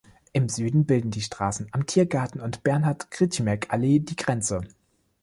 Im Süden bilden die Straßen "Am Tiergarten" und "Bernhard-Grzimek-Allee" die Grenze.